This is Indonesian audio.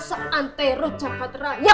seantero jawa teraya